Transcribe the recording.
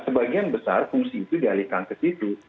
sebagian besar fungsi itu dialihkan ke situ